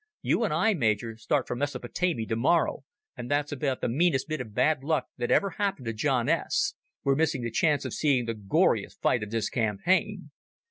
You and I, Major, start for Mesopotamy tomorrow, and that's about the meanest bit of bad luck that ever happened to John S. We're missing the chance of seeing the goriest fight of this campaign."